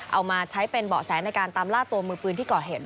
เอามาใช้เป็นเบาะแสในการตามล่าตัวมือปืนที่ก่อเหตุ